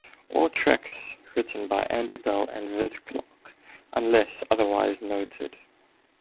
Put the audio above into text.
All tracks written by Andy Bell and Vince Clarke, unless otherwise noted.